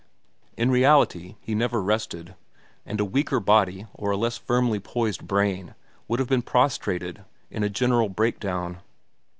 In reality, he never rested, and a weaker body or a less firmly poised brain would have been prostrated in a general break down.